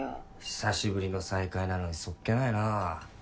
久しぶりの再会なのにそっけないな。